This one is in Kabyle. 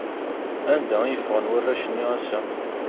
Anda i ffɣen warrac-nni ass-a?